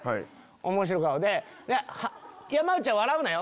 おもしろ顔で山内は笑うなよ。